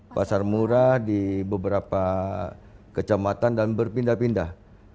pasar murah di beberapa kecamatan dan berpindah pindah